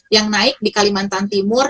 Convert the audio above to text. yang naik di kalimantan timur